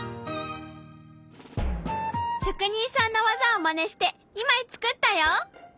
職人さんの技をまねして２枚作ったよ！